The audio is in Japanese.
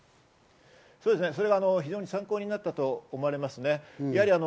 それは非常に参考になったと思われます。